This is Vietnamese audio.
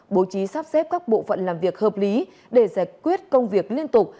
bố trí sắp xếp các bộ phận làm việc hợp lý để giải quyết công việc liên tục